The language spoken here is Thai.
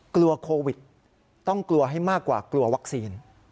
กลัวโควิดต้องกลัวให้มากกว่ากลัววัคซีน